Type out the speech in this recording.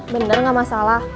bener gak masalah